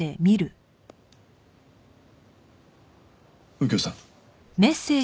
右京さん。